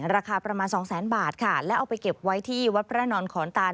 ราคาประมาณสองแสนบาทค่ะแล้วเอาไปเก็บไว้ที่วัดพระนอนขอนตาน